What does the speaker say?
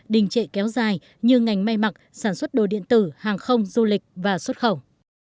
đình trệ kéo dài như ngành may mặc sản xuất đồ điện tử hàng không du lịch và xuất khẩu